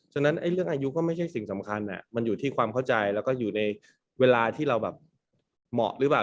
ฉะนั้นเรื่องอายุก็ไม่ใช่สิ่งสำคัญมันอยู่ที่ความเข้าใจแล้วก็อยู่ในเวลาที่เราแบบเหมาะหรือเปล่า